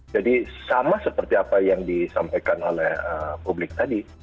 jadi sama seperti apa yang disampaikan oleh publik tadi